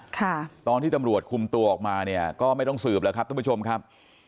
ค่ะตอนที่ตำรวจคุมตัวออกมาเนี่ยก็ไม่ต้องสืบแล้วครับท่านผู้ชมครับ